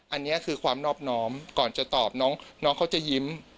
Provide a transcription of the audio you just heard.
อันนี้คือความนอบน้อมก่อนจะตอบน้องเขาจะยิ้ม